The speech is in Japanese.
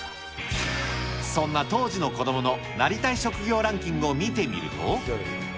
そんな当時の子どものなりたい職業ランキングを見てみると。